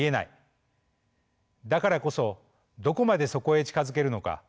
だからこそどこまでそこへ近づけるのか。